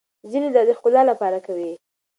ځينې دا د ښکلا لپاره کوي.